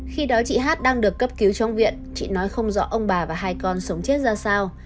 khi đó chị hát đang được cấp cứu trong viện chị nói không rõ ông bà và hai con sống chết ra sao